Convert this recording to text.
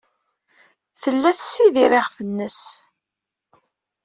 Tella tessidir iɣef-nnes.